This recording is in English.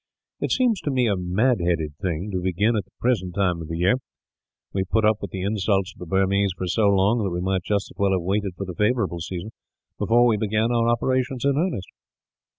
It seems to me a mad headed thing, to begin at the present time of the year. We have put up with the insults of the Burmese for so long that we might just as well have waited for the favourable season, before we began our operations in earnest."